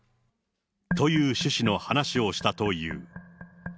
という趣旨の話をしたという。